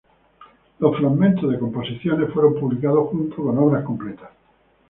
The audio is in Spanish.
Los fragmentos de composiciones fueron publicados junto con obras completas.